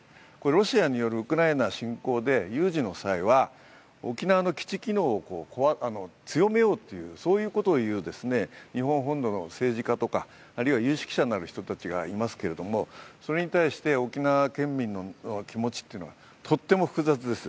ロシアによるウクライナ侵攻で、有事の際は沖縄の基地機能を強めようという、そういうことを言う日本本土の政治家とか有識者の人がいますけれども、それに対して沖縄県民の気持ちというのはとっても複雑です。